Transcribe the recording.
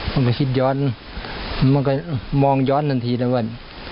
มันก็คิดย้อนมันก็มองย้อนทันทีแล้วว่า